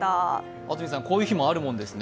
安住さん、こういう日もあるもんですね。